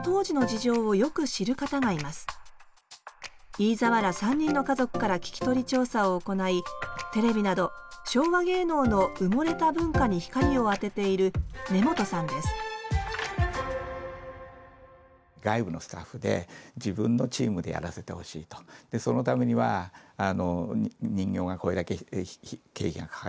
飯沢ら３人の家族から聞き取り調査を行いテレビなど昭和芸能の埋もれた文化に光を当てている外部のスタッフで自分のチームでやらせてほしいとそのためには人形がこれだけ経費がかかりますよ。